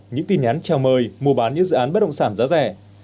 những tin nhắn chào mời mua bán những dự án bất động sản giá rẻ